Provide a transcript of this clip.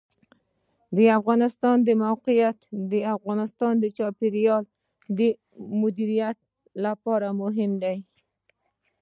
د افغانستان د موقعیت د افغانستان د چاپیریال د مدیریت لپاره مهم دي.